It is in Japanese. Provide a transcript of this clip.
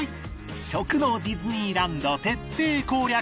食のディズニーランド徹底攻略。